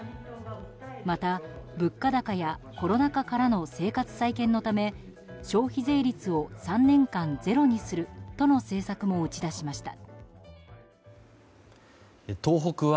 また、物価高やコロナ禍からの生活再建のため消費税率を３年間ゼロにするとの政策も打ち出しました。